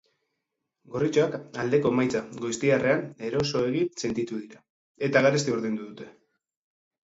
Gorritxoak aldeko emaitza goiztiarrean erosoegi sentitu dira, eta garesti ordaindu dute.